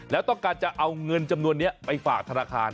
แล้วต้องการจะเอาเงินจำนวนนี้ไปฝากธนาคาร